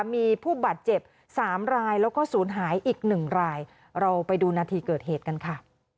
มีผู้บาดเจ็บสามรายแล้วก็ศูนย์หายอีกหนึ่งรายเราไปดูนาทีเกิดเหตุกันค่ะ